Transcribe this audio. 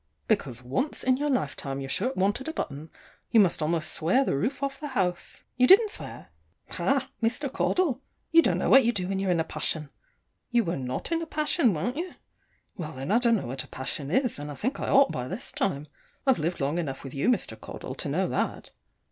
Because once in your lifetime your shirt wanted a button, you must almost swear the roof off the house. You didn't swear? Ha, Mr. Caudle! you don't know what you do when you're in a passion. You were not in a passion, wer'n't you? Well, then I don't know what a passion is; and I think I ought by this time. I've lived long enough with you, Mr. Caudle, to know that.